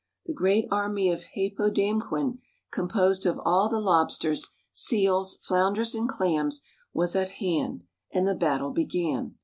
The great army of Hāpōdāmquen, composed of all the lobsters, seals, flounders, and clams, was at hand, and the battle began.